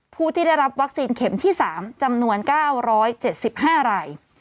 ผู้ที่ได้รับวัคซีนเข็มที่สามจำนวนเก้าร้อยเจ็ดสิบห้าราย